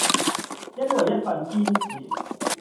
因為一份堅持